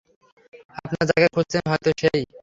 আপনারা যাকে খুঁজছেন হয়তো সেই।